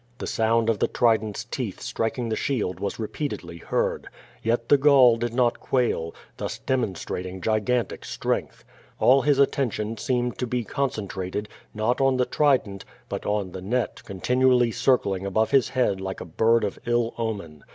The sound of the trident's teeth striking the shield was repeately heard. Yet the Gaul did not quail, thus de monstrating gigantic strength. All his attention seemed to be concentrated, not on the trident, but on the net continually circling above his head like a bird of ill omen.